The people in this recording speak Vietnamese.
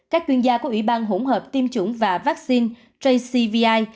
các chuyên gia của ủy ban hỗn hợp tiêm chủng và vaccine jcvi